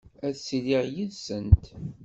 Ad ttiliɣ yid-sent.